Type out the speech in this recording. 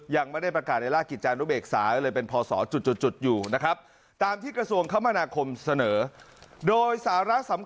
ยังไม่ได้ประกาศในล่ากิจจานุเบกษาเลยเป็นพศจุดอยู่นะครับ